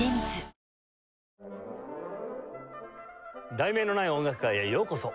『題名のない音楽会』へようこそ。